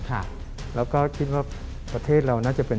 ค่ะแล้วก็คิดว่าประเทศเราน่าจะเป็น